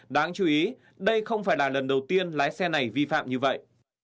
đáng chú ý đây không phải là lần đầu tiên lái xe này vi phạm như vậy